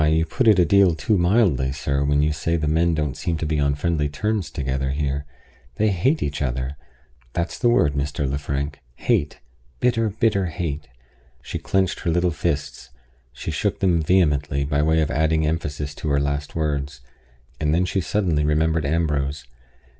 you put it a deal too mildly, sir, when you say the men don't seem to be on friendly terms together here. They hate each other. That's the word, Mr. Lefrank hate; bitter, bitter, bitter hate!" She clinched her little fists; she shook them vehemently, by way of adding emphasis to her last words; and then she suddenly remembered Ambrose.